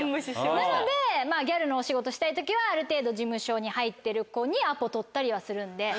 なのでギャルのお仕事したい時はある程度事務所に入ってる子にアポ取ったりはするんで。